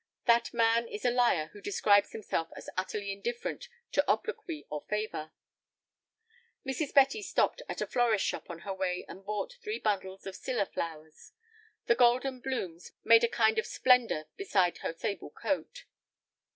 That man is a liar who describes himself as utterly indifferent to obloquy or favor. Mrs. Betty stopped at a florist's shop on her way and bought three bundles of Scilla flowers. The golden blooms made a kind of splendor beside her sable coat.